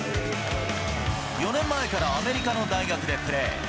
４年前からアメリカの大学でプレー。